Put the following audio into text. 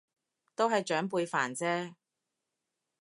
都係長輩煩啫